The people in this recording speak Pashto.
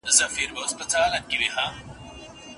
صورت باید ناسم نه وي.